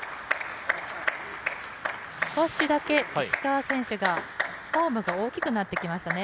少しだけ石川選手がフォームが大きくなってきましたね。